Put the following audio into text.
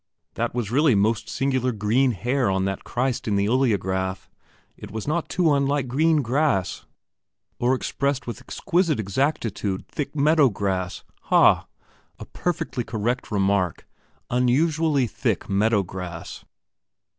That was really most singular green hair on that Christ in the oleograph. It was not too unlike green grass, or expressed with exquisite exactitude thick meadow grass. Ha! a perfectly correct remark unusually thick meadow grass....